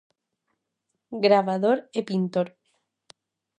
Gravador e pintor.